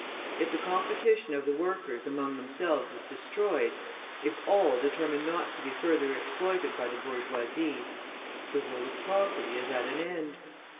If the competition of the workers among themselves is destroyed, if all determine not to be further exploited by the bourgeoisie, the rule of property is at an end.